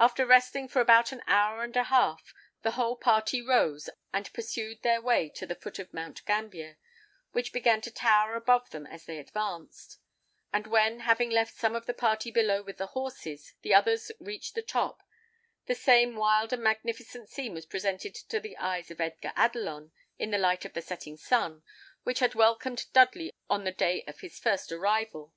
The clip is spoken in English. After resting for about an hour and a half, the whole party rose, and pursued their way to the foot of Mount Gambier, which began to tower above them as they advanced; and when, having left some of the party below with the horses, the others reached the top, the same wild and magnificent scene was presented to the eyes of Edgar Adelon, in the light of the setting sun, which had welcomed Dudley on the day of his first arrival.